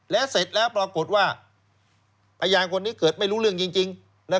และเสร็จแล้วปรากฏว่าพยานคนนี้เกิดไม่รู้เรื่องจริง